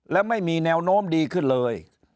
และไม่มีแนวโน้มดีขึ้นเลย